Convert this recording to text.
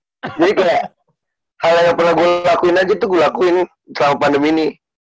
jadi kayak hal yang pernah gue lakuin aja tuh gue lakuin selama pandemi ini